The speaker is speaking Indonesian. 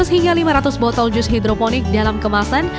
dua ratus hingga lima ratus botol jus hidroponik dalam kemasan